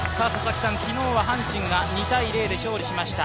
昨日は阪神が２−０で勝利しました。